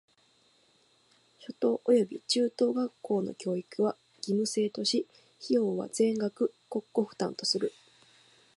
初等および中等学校の教育は義務制とし、費用は全額国庫負担とする。